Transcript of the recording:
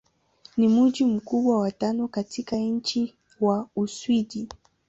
Ni mji mkubwa wa tano katika nchi wa Uswidi.